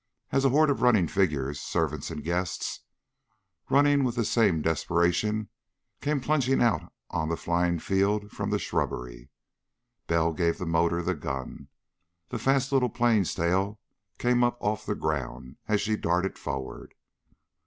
As a horde of running figures, servants and guests, running with the same desperation, came plunging out on the flying field from the shrubbery. Bell gave the motor the gun. The fast little plane's tail came up off the ground as she darted forward.